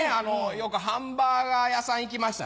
よくハンバーガー屋さん行きましたよ。